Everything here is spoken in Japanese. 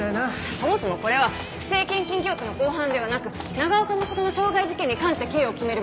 そもそもこれは不正献金疑惑の公判ではなく長岡誠の傷害事件に関して刑を決める場です。